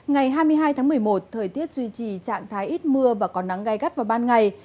ngày hai mươi hai tháng một mươi một thời tiết duy trì trạng thái ít mưa và có nắng gai gắt vào ban ngày